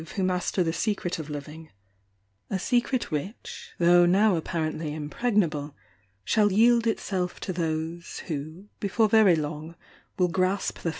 "^^*^'" the secret of living a M^rct which though now apparently impregnable S yield itsef to those, who, before very long, w 11 ™ fh!